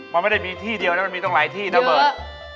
มันไม่ได้มีที่เดียวนะมันมีตรงหลายที่นะเบิร์ต